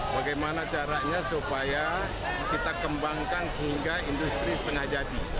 bagaimana caranya supaya kita kembangkan sehingga industri setengah jadi